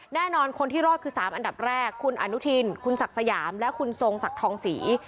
แน่นอนคนที่รอดคือ๓อันดับแรกคุณอนุทินคุณศักดิ์สยามและคุณทรงศักดิ์ทองศรี